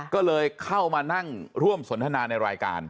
ก็เลยเข้ามานั่งร่วมสนทนาในรายการ